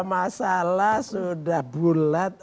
masalah sudah bulat